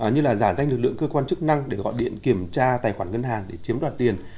như là giả danh lực lượng cơ quan chức năng để gọi điện kiểm tra tài khoản ngân hàng để chiếm đoạt tiền